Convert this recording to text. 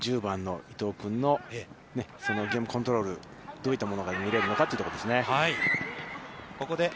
ここから、ゲームを作っていく１０番の伊藤君のゲームコントロールどういったものが見られるのかというところですね。